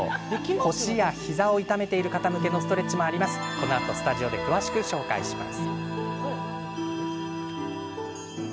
腰や膝を痛めている方向けのストレッチもありますのでこのあとスタジオで詳しく紹介します。